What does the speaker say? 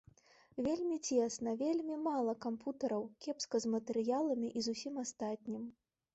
Вельмі цесна, вельмі мала кампутараў, кепска з матэрыяламі і з усім астатнім.